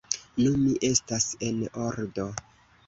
Nu, mi estas en ordo!